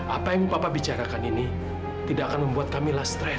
apa yang papa bicarakan ini tidak akan membuat kami lah stres